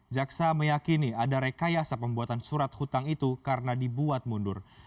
jaksa meyakini ada rekayasa pembuatan surat hutang itu karena dibuat mundur